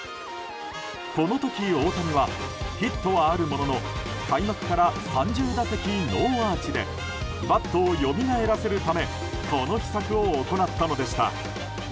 この時、大谷はヒットはあるものの開幕から３０打席ノーアーチでバットをよみがえらせるためこの秘策を行ったのでした。